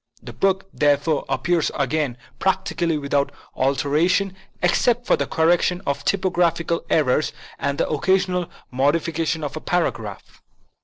The book, therefore, appears again practically without alteration, except for the correction of typographical errors and the occasional modification of a paragraph.